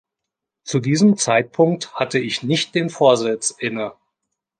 Zu diesem Zeitpunkt hatte ich nicht den Vorsitz inne.